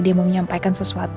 dia mau menyampaikan sesuatu